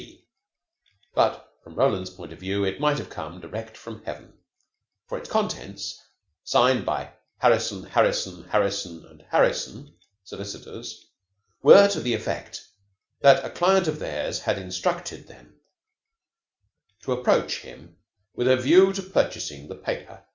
C., but, from Roland's point of view, it might have come direct from heaven; for its contents, signed by Harrison, Harrison, Harrison & Harrison, Solicitors, were to the effect that a client of theirs had instructed them to approach him with a view to purchasing the paper.